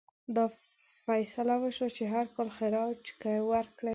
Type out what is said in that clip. دا فیصله وشوه چې هر کال خراج ورکړي.